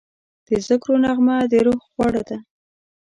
د ذکرو نغمه د روح خواړه ده.